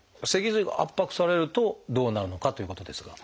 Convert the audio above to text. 脊髄が圧迫されるとどうなるのかということですが。